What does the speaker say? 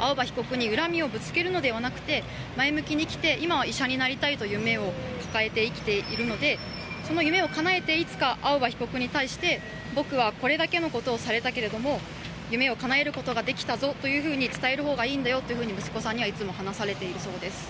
青葉被告に恨みをぶつけるのではなくて前向きに生きて今は医者になりたいという夢を抱えて、生きているのでその夢をかなえていつか青葉被告に対して、僕はこれだけのことをされたけれども夢をかなえることができたぞと伝えるほうがいいんだよと息子さんにはいつも話されているそうです。